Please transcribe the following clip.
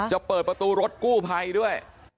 จะเปิดประตูรถกู้ภัยด้วย